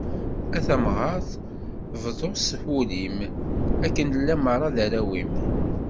A tamɣart, bḍu s wul-im, akken nella merra d arraw-im.